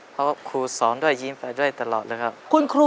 ขอเชิญน้องเทิดมาต่อชีวิตเป็นคนต่อไปครับ